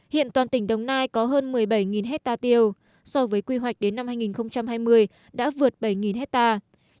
hiện toàn tỉnh đồng nai có hơn một mươi bảy hectare tiêu so với quy hoạch đến năm hai nghìn hai mươi đã vượt bảy hectare